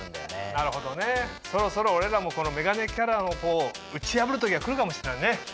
なるほどねそろそろ俺らもこのメガネキャラを打ち破る時が来るかもしれないね。